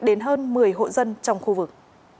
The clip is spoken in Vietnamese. đến hơn một mươi hộ dân trong khu vực